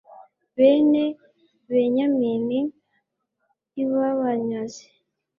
bene benyamini ntibabanyaze